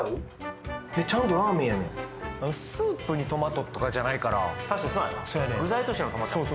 ちゃんとラーメンやねんスープにトマトとかじゃないから確かにそうやな具材としてのトマトやもんね